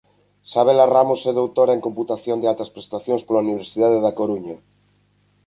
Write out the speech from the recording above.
Sabela Ramos é doutora en Computación de Altas Prestacións pola Universidade da Coruña.